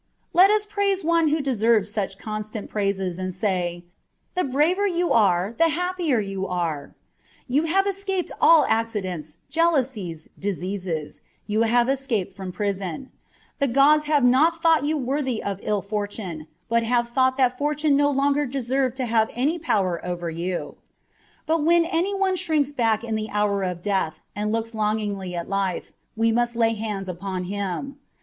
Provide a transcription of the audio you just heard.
Let us praise one who deserves such constant praises, and say, " The braver you are the happier you are ! You have escaped from all accidents, jealousies, diseases : you have escaped from prison : the gods have not thought you worthy of ill fortune, but have thought that fortune no longer deserved to have any power over you": but when any one shrinks back in the hour of death and looks longingly at life, we must lay hands upon him.